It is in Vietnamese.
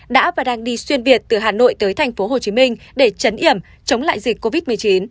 đã và đang đi xuyên việt từ hà nội tới tp hcm để chấn yểm chống lại dịch covid một mươi chín